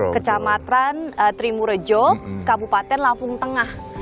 kecamatan trimurejo kabupaten lampung tengah